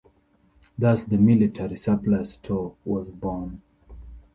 Thus the military surplus store was born.